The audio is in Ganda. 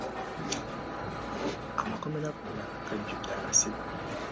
Amakomera gonna gajudde abasibe.